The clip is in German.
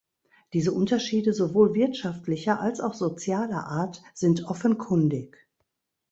Diese Unterschiede, sowohl wirtschaftlicher als auch sozialer Art, sind offenkundig.